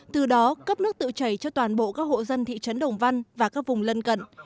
từ đó cấp nước tự chảy cho toàn bộ các hộ dân thị trấn đồng văn và các vùng lân cận